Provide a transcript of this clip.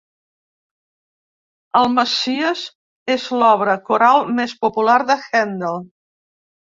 El Messies és l'obra coral més popular de Handel